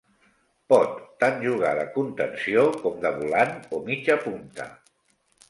Pot tant jugar de contenció, com de volant o mitjapunta.